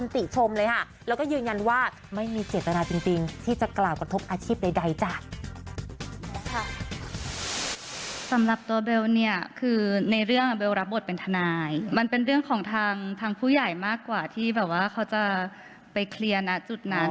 สำหรับตัวเบลเนี่ยคือในเรื่องเบลรับบทเป็นทนายมันเป็นเรื่องของทางผู้ใหญ่มากกว่าที่แบบว่าเขาจะไปเคลียร์นะจุดนั้น